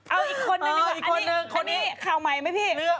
เอาอีกคนนึงหนึ่งก่อนอันนี้ข่าวใหม่ไหมพี่